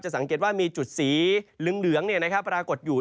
จะสังเกตว่ามีจุดสีเหลืองเนี่ยนะครับปรากฏอยู่